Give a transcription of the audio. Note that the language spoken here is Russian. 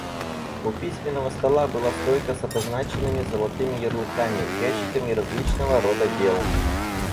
У письменного стола была стойка с обозначенными золотыми ярлыками ящиками различного рода дел.